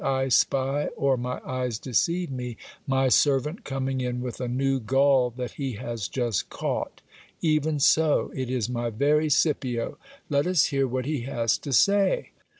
I spy, or my eyes deceive me, my servant coming in with a new gull that he has just caught. Even so ! It is my very Scipio. Let us hear what he has to say.